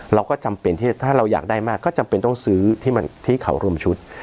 เราก็จำเป็นที่ถ้าเราอยากได้มากก็จำเป็นต้องซื้อที่เขารวมชุด